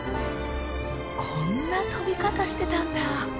こんな飛び方してたんだ！